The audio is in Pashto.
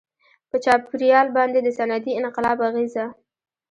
• په چاپېریال باندې د صنعتي انقلاب اغېزه.